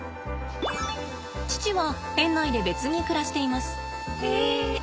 父は園内で別に暮らしています。